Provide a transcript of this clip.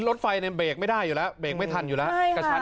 รถไฟเนี่ยเบรกไม่ได้อยู่แล้วเบรกไม่ทันอยู่แล้วกระชั้น